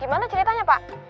gimana ceritanya pak